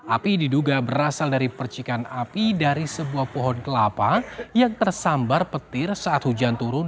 api diduga berasal dari percikan api dari sebuah pohon kelapa yang tersambar petir saat hujan turun